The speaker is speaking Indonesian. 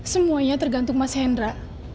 semuanya tergantung mas hendra